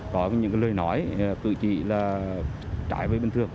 có những lời nói tự trị là trải về bình thường